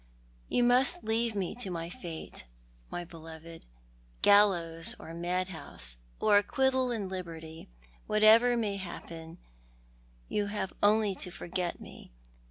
You must leave me to my fate, my beloved— gallows or madhouse— or acquittal and liberty. Whatever may happen, you have only to forget me.